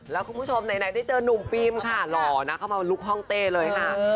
แล้วในที่เจอนุ่มฟิงมค่ะหล่อมาลุกห้องเตะเลยค่ะ